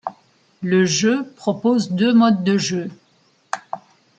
Le jeu propose deux modes de jeu.